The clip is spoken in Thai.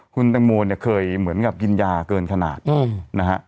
คุณตังโมเนี่ยเคยเหมือนกับกินยาเกินขนาดนะฮะ